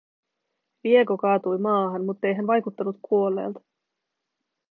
Diego kaatui maahan, muttei hän vaikuttanut kuolleelta.